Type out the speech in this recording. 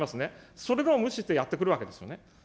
それでも無視してやって来るわけですよね。